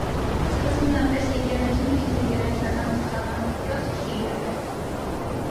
Սկզբնապես եկեղեցուն կից եկեղեցական ծխական դպրոց չի եղել։